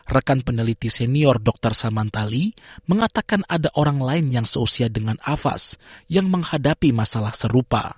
rekan peneliti senior dr samantali mengatakan ada orang lain yang seusia dengan afaz yang menghadapi masalah serupa